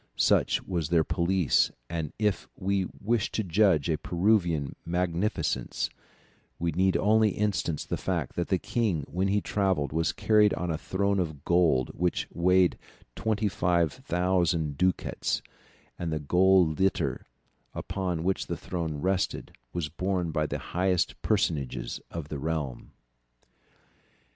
Such was their police, and if we wish to judge of Peruvian magnificence, we need only instance the fact that the king when he travelled was carried on a throne of gold which weighed 25,000 ducats, and the golden litter upon which the throne rested was borne by the highest personages of the realm.